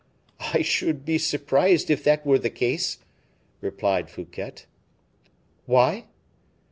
"I should be surprised if that were the case," replied Fouquet. "Why?"